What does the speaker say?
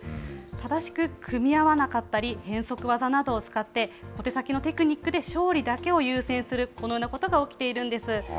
正しく組み合わなかったり、変則技などを使って、小手先のテクニックだけで勝利だけを優先させる、このようなことが起きているんです。